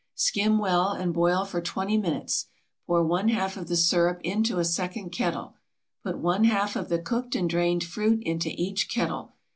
Skim well and boil for twenty minutes. Pour one half of the sirup into a second kettle. Put one half of the cooked and drained fruit into each kettle.